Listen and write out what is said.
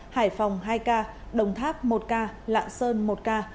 hải phòng hai ca đồng tháp một ca lạng sơn một ca